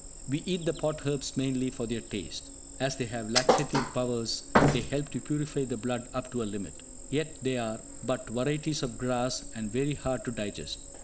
We eat the pot herbs mainly for their taste. As they have laxative powers, they help to purify the blood up to a limit. Yet they are but varieties of grass, and very hard to digest.